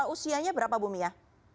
usianya berapa ibu mia